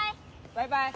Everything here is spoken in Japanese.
バイバイ！